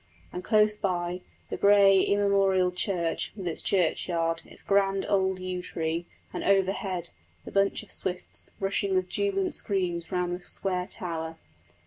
And, close by, the grey immemorial church, with its churchyard, its grand old yew tree, and, overhead, the bunch of swifts, rushing with jubilant screams round the square tower.